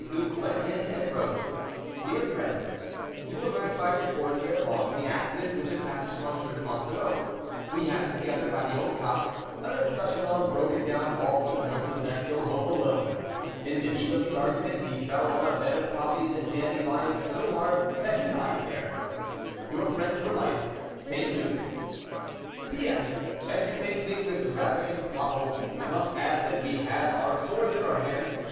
Luc went in, and wrote, "DEAR FRIEND, "You will learn, by report, ere long, the accident which has happened to M. de Monsoreau; we had together, by the old copse, a discussion on broken down walls and horses that go home alone. In the heat of the argument, he fell on a bed of poppies and dandelions so hard that he died there. "Your friend for life, "St. Luc. "P. S. As you may think this rather improbable, I must add that we had our swords in our hands.